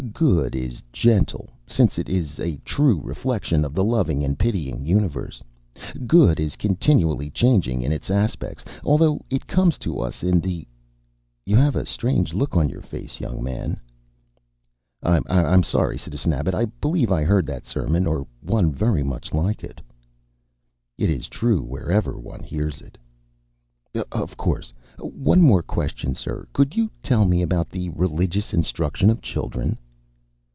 Good is gentle, since it is a true reflection of the loving and pitying universe. Good is continually changing in its aspects, although it comes to us in the ... You have a strange look on your face, young man." "I'm sorry, Citizen Abbot. I believe I heard that sermon, or one very much like it." "It is true wherever one hears it." "Of course. One more question, sir. Could you tell me about the religious instruction of children?"